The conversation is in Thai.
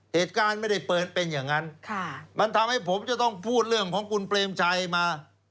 เหตุการณ์ไม่ได้เปิดเป็นอย่างนั้นมันทำให้ผมจะต้องพูดเรื่องของคุณเปรมชัยมา